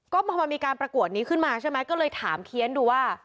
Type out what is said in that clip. ก็พอมันมีการประกวดนี้ขึ้นมาใช่ไหมก็เลยถามเคี้ยนดูว่า